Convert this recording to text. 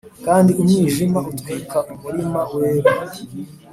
kandi umwijima utwika umurima wera.